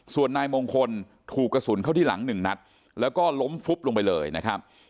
ส่วนนายมงคลถูกกระสุนเข้าที่หลังหนึ่งนัดแล้วก็ล้มฟุบลงไปเลยนะครับ